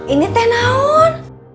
ini teh naun